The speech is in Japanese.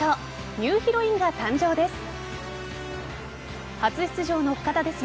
ニューヒロインが誕生です。